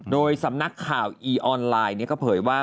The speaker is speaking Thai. โดยสำนักข่าวอีออนไลน์ก็เผยว่า